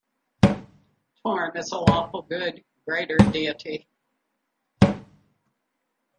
Torm is a Lawful Good greater deity.